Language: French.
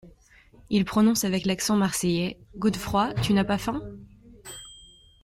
Il prononce avec l’accent marseillais. "Godefroid, tu n’as pas faim ?